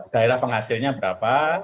daerah penghasilnya berapa